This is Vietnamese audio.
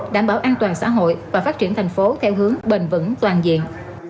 đảm bảo an toàn xã hội và phát triển thành phố theo hướng bền vững toàn diện